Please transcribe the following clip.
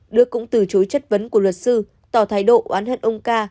đức cũng từ chối chất vấn của luật sư tỏ thái độ oán hận ông ca